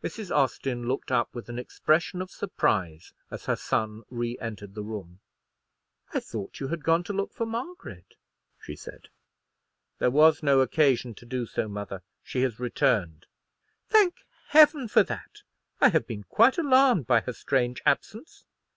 Mrs. Austin looked up with an expression of surprise as her son re entered the room. "I thought you had gone to look for Margaret," she said. "There was no occasion to do so, mother; she has returned." "Thank Heaven for that! I have been quite alarmed by her strange absence."